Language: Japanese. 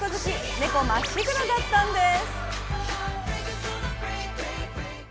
猫まっしぐらだったんです。